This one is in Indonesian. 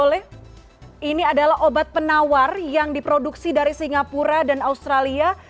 sementara itu kemenkes ri juga menyiapkan fomepizole ini adalah obat penawar yang diproduksi dari singapura dan australia